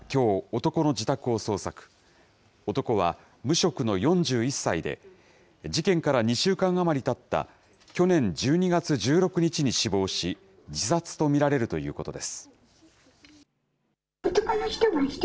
男は無職の４１歳で、事件から２週間余りたった去年１２月１６日に死亡し、自殺と見られるということです。